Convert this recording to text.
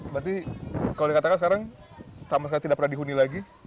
berarti kalau dikatakan sekarang sama sekali tidak pernah dihuni lagi